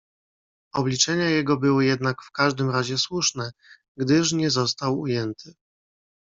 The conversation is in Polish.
"Obliczenia jego były jednak w każdym razie słuszne, gdyż nie został ujęty."